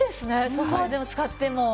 ソファで使っても。